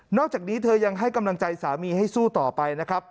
อกจากนี้เธอยังให้กำลังใจสามีให้สู้ต่อไปนะครับ